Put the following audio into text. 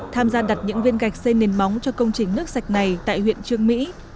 tham gia đặt những viên gạch xây nền móng cho công trình nước sạch này tại huyện trương mỹ